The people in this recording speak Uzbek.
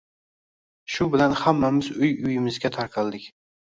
Shu bilan hammamiz uy-uyimizga tarqaldik